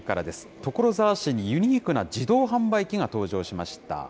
所沢市にユニークな自動販売機が登場しました。